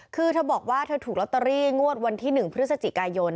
คือเธอบอกว่าเธอถูกลอตเตอรี่งวดวันที่๑พฤศจิกายน